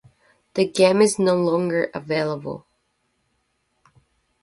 The game is no longer available.